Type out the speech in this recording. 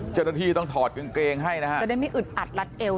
เจ้าหน้าที่ต้องถอดกางเกงให้นะฮะจะได้ไม่อึดอัดรัดเอว